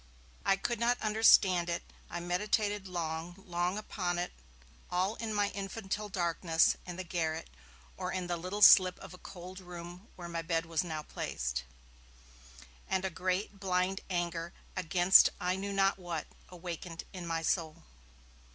I could not understand it; I meditated long, long upon it all in my infantile darkness, in the garret, or in the little slip of a cold room where my bed was now placed; and a great, blind anger against I knew not what awakened in my soul.